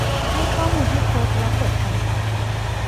ใส่ข้อมูลให้ครบ แล้วกด ทำต่อ